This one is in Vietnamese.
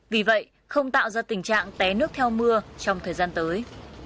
vì vậy không tạo ra tình trạng té nước theo mưa trong thời gian tới